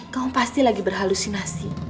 kamu pasti lagi berhalusinasi